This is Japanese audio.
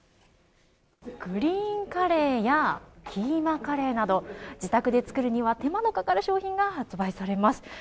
グリーンカレーやキーマカレーなど自宅で作るには手間のかかる商品が発売されます。